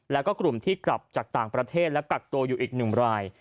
แล้วก็กลุ่มที่กลับจากต่างประเทศและกักตัวอยู่อีก๑ราย